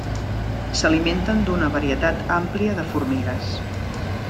S'alimenten d'una varietat àmplia de formigues.